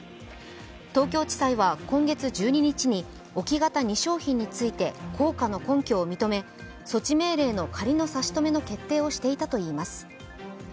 東京地裁は今月１２日に置き型２商品について効果の根拠を認め、措置命令の仮の差し止めの決定をしていたとします。